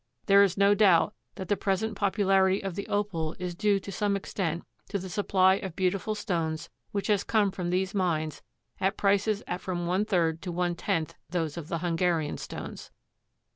There is no doubt that the present popularity of the Opal is due to some extent to the supply of beautiful stones which has come from these mines at prices at from one third to one tenth those of the Hungarian stones.